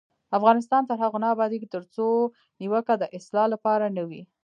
افغانستان تر هغو نه ابادیږي، ترڅو نیوکه د اصلاح لپاره نه وي.